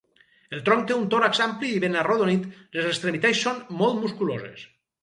El tronc té un tòrax ampli i ben arrodonit, les extremitats són molt musculoses.